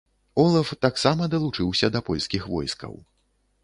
Олаф таксама далучыўся да польскіх войскаў.